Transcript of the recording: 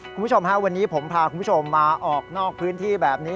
คุณผู้ชมฮะวันนี้ผมพาคุณผู้ชมมาออกนอกพื้นที่แบบนี้